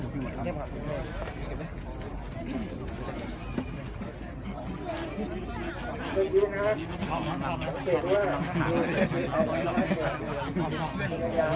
มีผู้ที่ได้รับบาดเจ็บและถูกนำตัวส่งโรงพยาบาลเป็นผู้หญิงวัยกลางคน